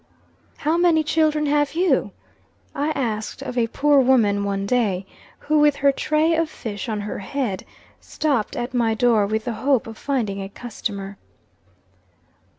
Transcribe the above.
"How many children have you?" I asked of a poor woman, one day, who, with her tray of fish on her head, stopped at my door with the hope of finding a customer.